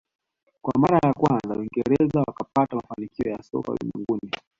Kwa mara ya kwanza uingereza wakapata mafanikio ya soka ulimwenguni